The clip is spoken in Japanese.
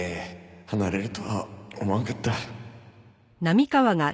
離れるとは思わんかった。